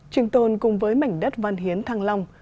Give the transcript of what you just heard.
trình tồn cùng với mảnh đất văn hiến thăng long